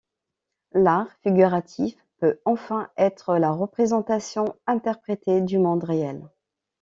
L'art figuratif peut enfin être la représentation interprétée du monde réel.